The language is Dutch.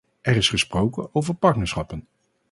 Er is gesproken over partnerschappen.